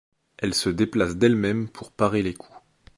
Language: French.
Elle se déplace d'elle-même pour parer les coups.